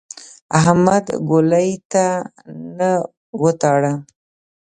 احمد ګولۍ ته نه وتاړه.